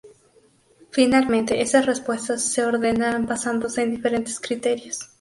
Finalmente, esas respuestas se ordenan basándose en diferentes criterios.